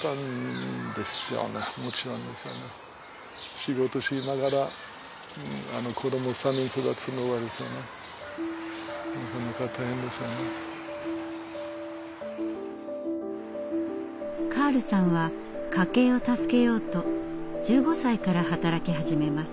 全然今考えるとカールさんは家計を助けようと１５歳から働き始めます。